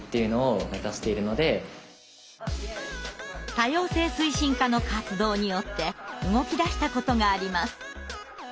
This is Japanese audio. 多様性推進課の活動によって動きだしたことがあります。